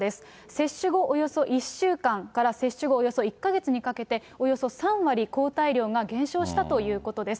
接種後、およそ１週間から接種後およそ１か月にかけて、およそ３割、抗体量が減少したということです。